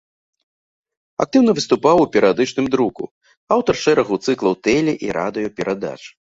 Актыўна выступаў у перыядычным друку, аўтар шэрагу цыклаў тэле- і радыёперадач.